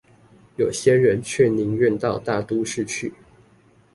有些人卻寧願到大都市去